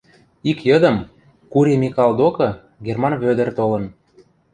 Ик йыдым Кури Микал докы Герман Вӧдӹр толын.